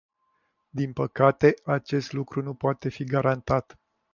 Din păcate, acest lucru nu poate fi garantat.